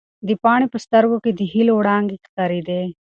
د پاڼې په سترګو کې د هیلو وړانګې ښکارېدې.